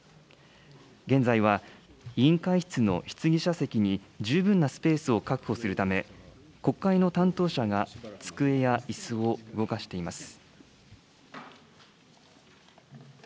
現在は、委員会室の質疑者席に、十分なスペースを確保するため、国会の担当者が、机やいすを動かしています。